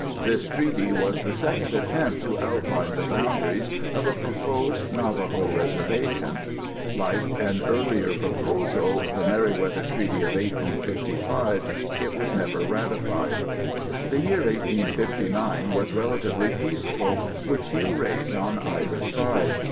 This treaty was the second attempt to outline the boundaries of a proposed Navajo reservation. Like an earlier proposal, the Meriweather Treaty of 1855, it was never ratified. The year 1859 was relatively peaceful, with few raids on either side.